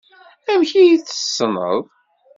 Amek ay t-tessned?